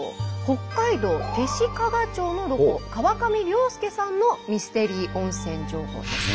北海道弟子屈町のロコ川上椋輔さんのミステリー温泉情報です。